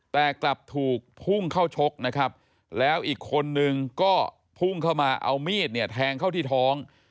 แต่กลับถูกพุ่งเข้าชกนะครับแล้วอีกคนนึงก็พุ่งเข้ามาเอามีดเนี่ยแทงเข้าที่ท้อง